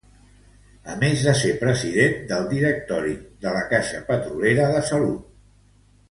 A més de ser president del directori de la Caixa Petrolera de Salut.